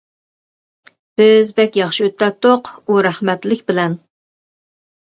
بىز بەك ياخشى ئۆتەتتۇق ئۇ رەھمەتلىك بىلەن.